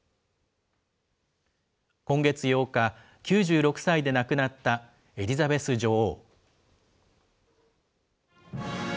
今月８日、９６歳で亡くなったエリザベス女王。